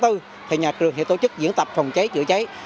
thì nhà trường sẽ tổ chức diễn tập phòng cháy chữa cháy